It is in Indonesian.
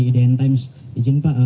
idn times ijin pak